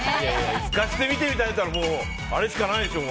透かして見てみたいって言ったらあれしかないでしょ。